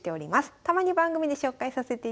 たまに番組で紹介させていただきます。